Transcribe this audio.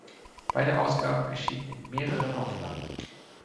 Beide Ausgaben erschienen in mehreren Auflagen.